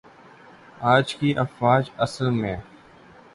آج کی افواج اصل میں